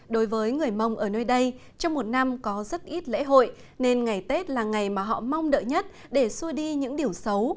đối với người mông ở nơi đây trong một năm có rất ít lễ hội nên ngày tết là ngày mà họ mong đợi nhất để xui đi những điều xấu